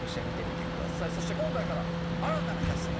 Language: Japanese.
そして今回から新たなキャストも。